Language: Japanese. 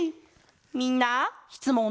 みんなしつもん